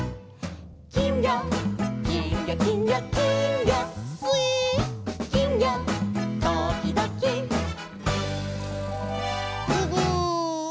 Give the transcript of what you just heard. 「きんぎょきんぎょきんぎょきんぎょ」「すいっ」「きんぎょときどき」「ふぐ！」